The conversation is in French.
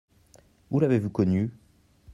Où l’avez-vous connue ?